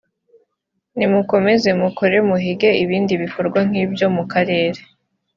nimukomeze mukore muhige ibindi bikorwa nk’ibyo byo mu karere